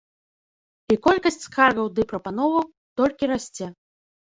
І колькасць скаргаў ды прапановаў толькі расце.